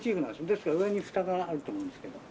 ですから上にフタがあると思うんですけど。